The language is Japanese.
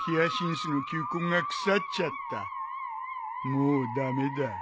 もう駄目だ。